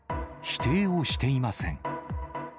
否定をしていません。